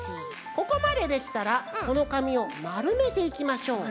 ここまでできたらこのかみをまるめていきましょう。